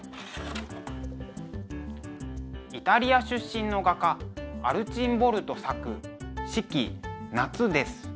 イタリア出身の画家アルチンボルド作「四季夏」です。